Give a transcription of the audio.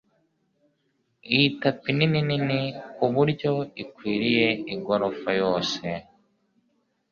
iyi tapi nini nini kuburyo itwikiriye igorofa yose